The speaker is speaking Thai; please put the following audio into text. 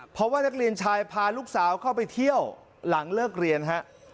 เพราะว่านักเรียนชายพาลูกสาวเข้าไปเที่ยวหลังเลิกเรียนฮะ